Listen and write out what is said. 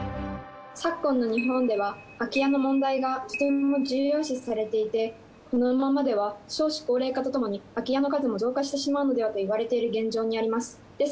昨今の日本では空き家の問題がとても重要視されていてこのままでは少子高齢化とともに空き家の数も増加してしまうのではと言われている現状にあります。